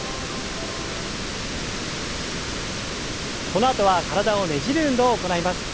このあとは体をねじる運動を行います。